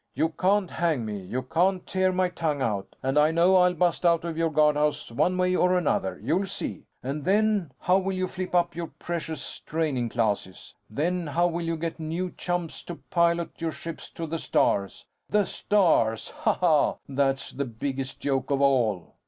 You can't hang me, you can't tear my tongue out and I know I'll bust out of your guardhouse one way or another! You'll see! And then, how will you fill up your precious training classes? Then, how will you get new chumps to pilot your ships to the stars? The stars! Ha, ha! That's the biggest joke of all!"